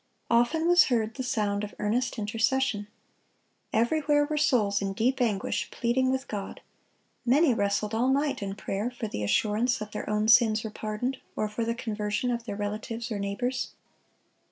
Often was heard the sound of earnest intercession. Everywhere were souls in deep anguish, pleading with God. Many wrestled all night in prayer for the assurance that their own sins were pardoned, or for the conversion of their relatives or neighbors.